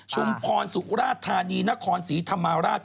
ชุมพรสุราธานีนครศรีธรรมราช